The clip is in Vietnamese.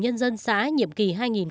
nhân dân xã nhiệm kỳ